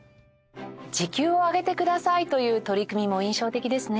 時給を上げてくださいという取り組みも印象的ですね。